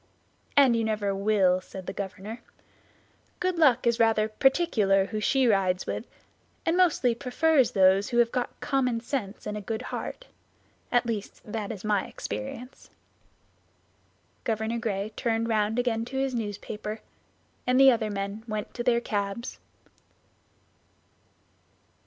"And you never will," said the governor. "Good Luck is rather particular who she rides with, and mostly prefers those who have got common sense and a good heart; at least that is my experience." Governor Gray turned round again to his newspaper, and the other men went to their cabs.